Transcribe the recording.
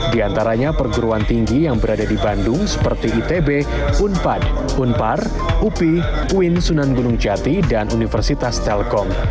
di antaranya perguruan tinggi yang berada di bandung seperti itb unpad unpar upi uin sunan gunung jati dan universitas telkom